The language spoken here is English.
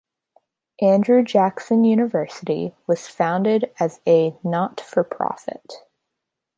Andrew Jackson University was founded as a not for profit.